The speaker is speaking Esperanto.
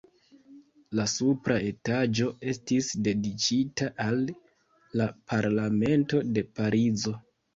La supra etaĝo estis dediĉita al la Parlamento de Parizo.